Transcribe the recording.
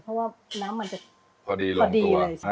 เพราะว่าน้ำมันจะพอดีเลย